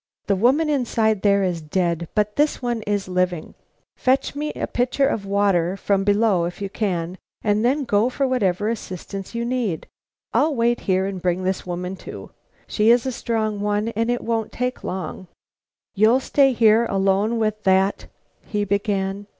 The woman inside there is dead, but this one is living. Fetch me a pitcher of water from below if you can, and then go for whatever assistance you need. I'll wait here and bring this woman to. She is a strong one, and it won't take long." "You'll stay here alone with that " he began.